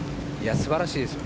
素晴らしいです。